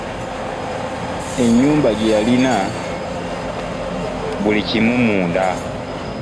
Ennyumba gye yalina buli kimu munda.